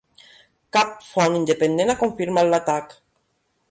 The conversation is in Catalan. Cap font independent ha confirmat l"atac.